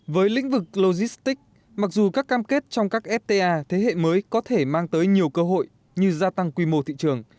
với lĩnh vực logistics mặc dù các cam kết trong các fta thế hệ mới có thể mang tới nhiều cơ hội như gia tăng quy mô thị trường